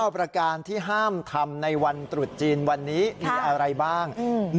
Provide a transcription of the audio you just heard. ประการที่ห้ามทำในวันตรุษจีนวันนี้มีอะไรบ้าง